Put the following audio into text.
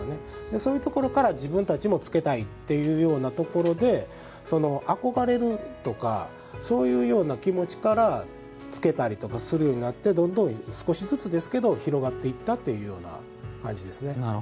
そういうところから自分たちも付けたいというようなところで憧れとかそういうような気持ちからつけたりするようになってどんどん、少しずつですけど広がっていったというような感じですね。